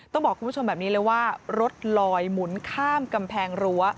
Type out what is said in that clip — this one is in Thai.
ต้องบอกคุณผู้ชมแบบนี้เลยว่ารถลอยหมุนข้ามกำแพงรั้ว